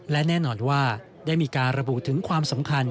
และแน่นอนว่าได้มีการระบุถึงความสำคัญ